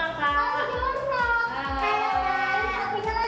aku ini lagi siapa